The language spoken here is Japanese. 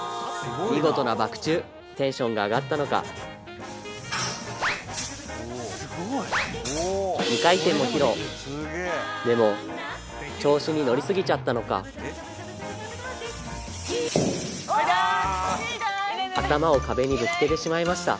見事なバク宙テンションが上がったのか２回転も披露でも調子に乗りすぎちゃったのか頭を壁にぶつけてしまいました